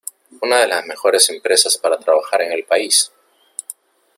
Una de las mejores empresas para trabajar en el país.